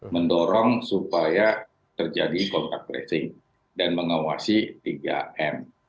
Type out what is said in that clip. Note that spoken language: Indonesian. mendorong supaya terjadi kontak tracing dan mengawasi tiga m